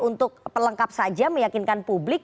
untuk pelengkap saja meyakinkan publik